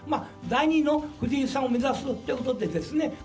第２の藤井さんを目指すっていうことでですね。